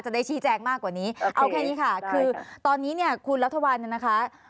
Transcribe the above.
ได้ชี้แจงมากกว่านี้เอาแค่นี้ค่ะคือตอนนี้เนี่ยคุณรัฐวันเนี่ยนะคะ